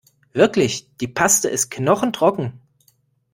Wirklich, die Paste ist knochentrocken.